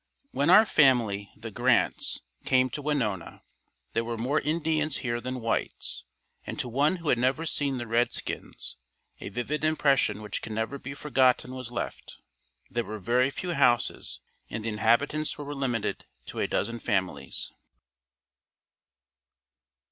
When our family, the Grants, came to Winona, there were more Indians here than whites and to one who had never seen the Red Skins, a vivid impression which can never be forgotten was left. There were very few houses and the inhabitants were limited to a dozen families.